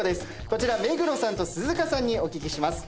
こちら目黒さんと鈴鹿さんにお聞きします。